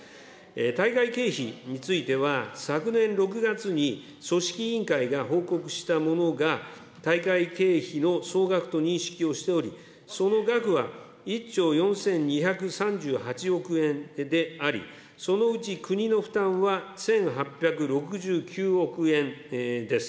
大会経費については、昨年６月に組織委員会が報告したものが大会経費の総額と認識をしており、その額は、１兆４２３８億円であり、そのうち国の負担は１８６９億円です。